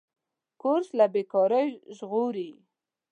کورس له بېکارۍ ژغوري.